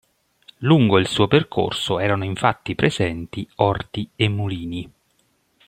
Lungo il suo percorso erano infatti presenti orti e mulini.